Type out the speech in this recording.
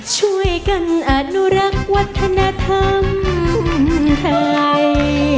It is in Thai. ช่วยกันอนุรักษ์วัฒนธรรมไทย